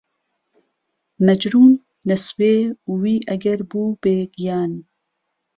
مەجرووم له سوێ وی ئەگهر بوو بێ گیان